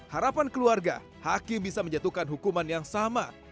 harapan keluarga hakim bisa menjatuhkan hukuman yang sama